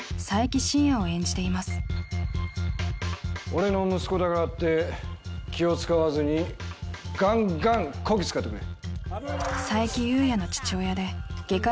俺の息子だからって気を使わずにガンガンこき使ってくれ。